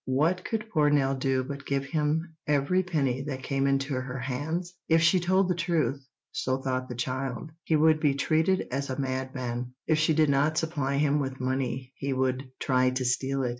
What could poor Nell do but give him every penny that came into her hands? If she told the truth (so thought the child) he would be treated as a madman; if she did not supply him with money he would try to steal it.